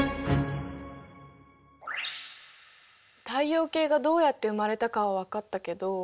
太陽系がどうやって生まれたかは分かったけど。